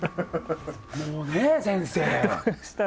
もうね、先生。